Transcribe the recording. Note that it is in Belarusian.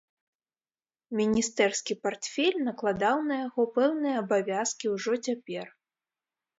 Міністэрскі партфель накладаў на яго пэўныя абавязкі ўжо цяпер.